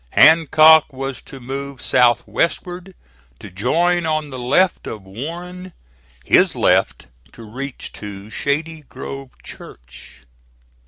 Hancock was to move south westward to join on the left of Warren, his left to reach to Shady Grove Church.